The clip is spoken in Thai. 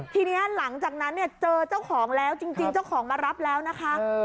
ทีนี้หลังจากนั้นเนี่ยเจอเจ้าของแล้วจริงเจ้าของมารับแล้วนะคะ